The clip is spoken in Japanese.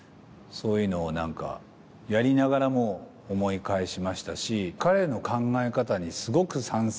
そういうのを何かやりながらも思い返しましたし。